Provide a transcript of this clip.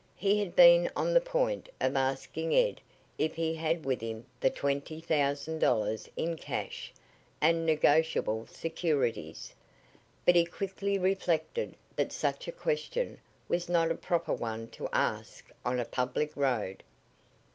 He had been on the point of asking Ed if he had with him the twenty thousand dollars in cash and negotiable securities, but he quickly reflected that such a question was not a proper one to ask on a public road.